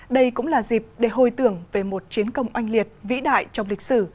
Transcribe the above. đây cũng là dịp để hồi tưởng về một chiến công oanh liệt vĩ đại trong lịch sử